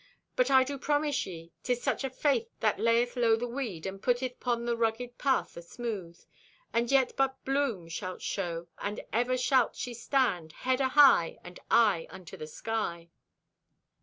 But I do promise ye 'tis such an faith that layeth low the weed and putteth 'pon the rugged path asmoothe, and yet but bloom shalt show, and ever shalt she stand, head ahigh and eye unto the sky."